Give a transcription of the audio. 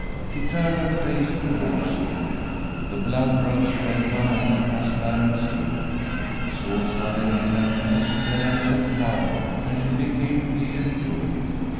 She turned her face towards him. The blood rose red behind the transparent skin. He saw suddenly that she was fair as a flower, and she be came dear to him.